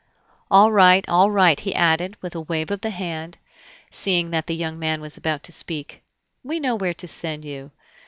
"All right, all right!" he added, with a wave of the hand, seeing that the young man was about to speak. "We know where to send you.